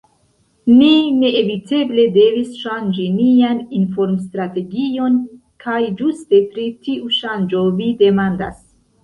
Ni neeviteble devis ŝanĝi nian informstrategion, kaj ĝuste pri tiu ŝanĝo vi demandas.